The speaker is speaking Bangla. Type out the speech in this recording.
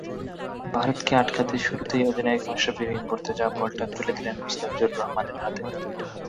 ভারতকে আটকাতে শুরুতেই অধিনায়ক মাশরাফি বিন মুর্তজা বলটা তুলে দিলেন মুস্তাফিজুর রহমানের হাতে।